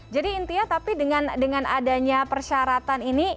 jadi intinya tapi dengan adanya persyaratan ini